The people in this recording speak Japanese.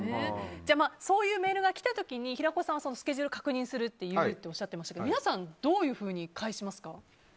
そういうメールが来た時に平子さんはスケジュール確認するって言うとおっしゃってましたが皆さんはどう返しますか？